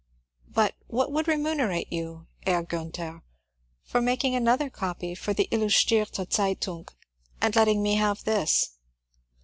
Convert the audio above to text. ^^ But what would remunerate you, Herr Gunther, for making another copy for the ' Illustrirte Zeit ung' and letting me have this?"